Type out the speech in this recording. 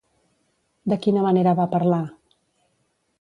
De quina manera va parlar?